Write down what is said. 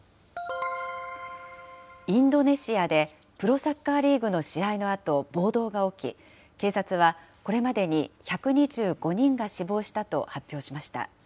インドネシアでプロサッカーリーグの試合のあと暴動が起き、警察はこれまでに１２５人が死亡したと発表しました。